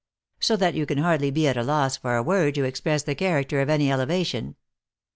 So that you can hardly be at a loss for a word to express the character of any elevation.